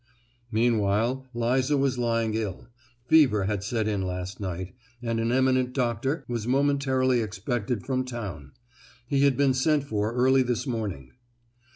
Meanwhile Liza was lying ill; fever had set in last night, and an eminent doctor was momentarily expected from town! He had been sent for early this morning.